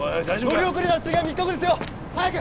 乗り遅れたら次は３日後ですよ早く！